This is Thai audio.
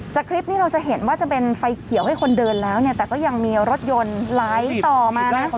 คลิปนี้เราจะเห็นว่าจะเป็นไฟเขียวให้คนเดินแล้วเนี่ยแต่ก็ยังมีรถยนต์ไหลต่อมานะ